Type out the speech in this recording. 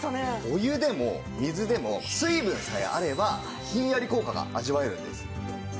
お湯でも水でも水分さえあればひんやり効果が味わえるんです。